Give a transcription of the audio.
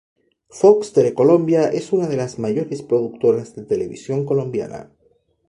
Fox Telecolombia es una de las mayores productoras de televisión colombiana.